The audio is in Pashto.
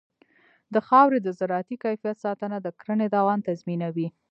د خاورې د زراعتي کیفیت ساتنه د کرنې دوام تضمینوي.